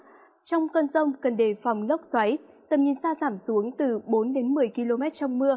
trong cơn rông cần đề phòng lốc xoáy tầm nhìn xa giảm xuống từ bốn đến một mươi km trong mưa